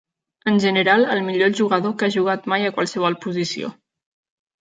En general, el millor jugador que ha jugat mai a qualsevol posició.